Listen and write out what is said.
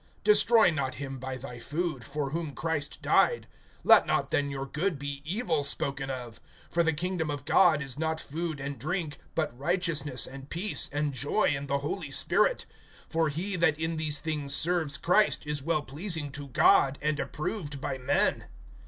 Destroy not him by thy food, for whom Christ died. (16)Let not then your good be evil spoken of. (17)For the kingdom of God is not food and drink; but righteousness, and peace, and joy in the Holy Spirit. (18)For he that in these things serves Christ, is well pleasing to God, and approved by men.